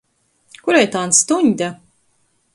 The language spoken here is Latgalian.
Kurei tān stuņde?